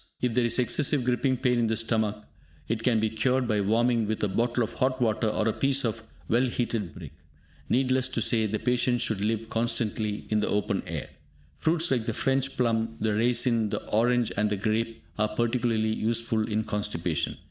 If there is excessive griping pain in the stomach, it can be cured by warming with a bottle of hot water or a piece of well heated brick. Needless to say, the patient should live constantly in the open air. Fruits like the French plum, the raisin, the orange and the grape, are particularly useful in constipation.